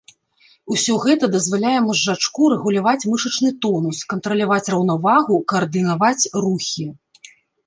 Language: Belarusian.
Усё гэта дазваляе мазжачку рэгуляваць мышачны тонус, кантраляваць раўнавагу, каардынаваць рухі.